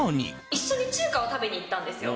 一緒に中華を食べに行ったんですよ。